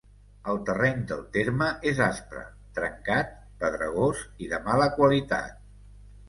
El terreny del terme és aspre, trencat, pedregós i de mala qualitat.